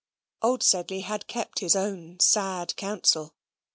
Old Sedley had kept his own sad counsel.